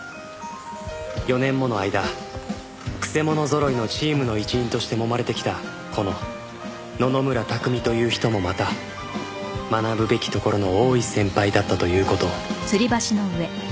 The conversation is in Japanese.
４年もの間曲者のぞろいのチームの一員としてもまれてきたこの野々村拓海という人もまた学ぶべきところの多い先輩だったという事を